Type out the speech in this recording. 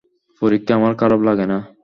পরীক্ষা আমার খারাপ লাগে না।